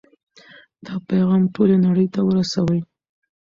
دا پیغام ټولې نړۍ ته ورسوئ.